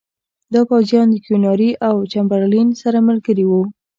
دا پوځیان د کیوناري او چمبرلین سره ملګري وو.